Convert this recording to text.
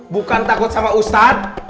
bukan takut sama ustadz